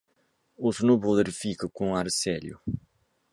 O snowboarder fica com ar sério.